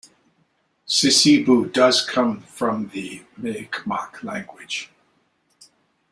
Sissiboo does come from the Mi'kmaq language.